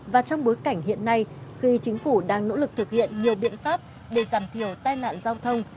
và trong bối cảnh hiện nay khi chính phủ đang nỗ lực thực hiện nhiều biện pháp để giảm thiểu tai nạn giao thông